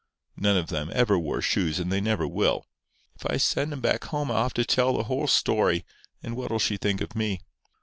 None of 'em ever wore shoes and they never will. If I send 'em back home I'll have to tell the whole story, and what'll she think of me?